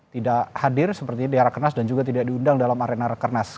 tidak hadir seperti di rakernas dan juga tidak diundang dalam arena rekernas